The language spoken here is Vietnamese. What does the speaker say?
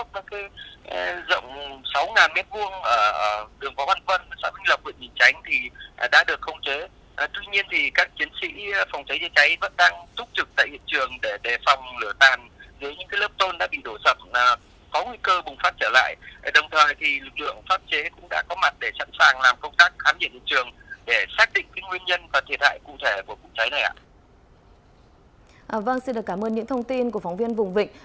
vâng xin được cảm ơn những thông tin của phóng viên vùng vịnh